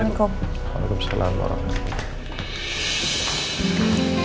wa'alaikumsalam warahmatullahi wabarakatuh